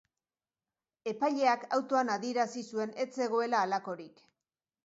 Epaileak autoan adierazi zuen ez zegoela halakorik.